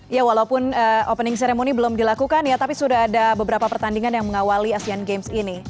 ya walaupun opening ceremony belum dilakukan ya tapi sudah ada beberapa pertandingan yang mengawali asean games ini